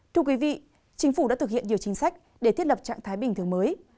thưa quý vị chính phủ đã thực hiện nhiều chính sách để thiết lập trạng thái bình thường mới